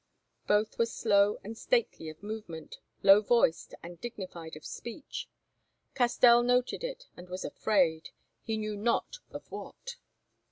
—both were slow and stately of movement, low voiced, and dignified of speech. Castell noted it and was afraid, he knew not of what.